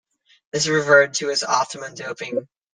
This is referred to as optimum doping.